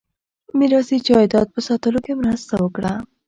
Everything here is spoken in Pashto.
میراثي جایداد په ساتلو کې مرسته وکړه.